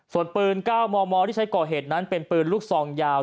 ส่วนปืน๙มมที่ใช้ก่อเหตุนั้นเป็นปืนลูกซองยาว